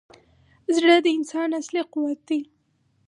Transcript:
زړه د انسان اصلي قوت دی.